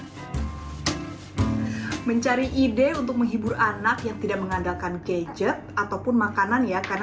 hai mencari ide untuk menghibur anak yang tidak mengandalkan gadget ataupun makanan ya karena